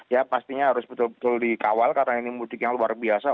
ya pastinya harus betul betul dikawal karena ini mudik yang luar biasa